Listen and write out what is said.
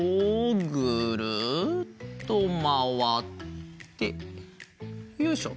ぐるっとまわってよいしょ。